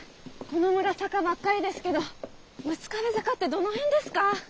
この村坂ばっかりですけど「六壁坂」ってどの辺ですか？